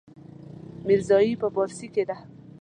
ميرزايي په پارسي کې ده.